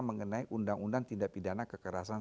mengenai undang undang tindak pidana kekerasan